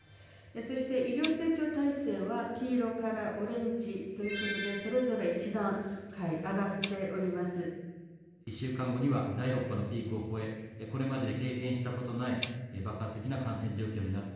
そして、医療提供体制は黄色からオレンジということで、それぞれ１段階上１週間後には、第６波のピークを超え、これまでに経験したことのない爆発的な感染状況になる。